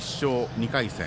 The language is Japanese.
２回戦。